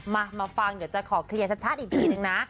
มามาฟังเดี๋ยวจะขอเคลียร์ชัดอีกทีนึงนะ